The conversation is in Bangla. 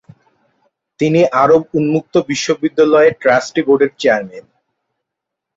তিনি আরব উন্মুক্ত বিশ্ববিদ্যালয়ের ট্রাস্টি বোর্ডের চেয়ারম্যান।